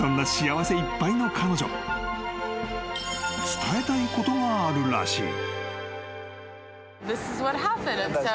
［伝えたいことがあるらしい］